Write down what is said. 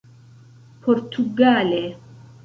portugale